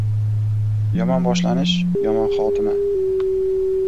• Yomon boshlanish ― yomon xotima.